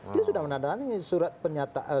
dia sudah menandatangani surat pernyataan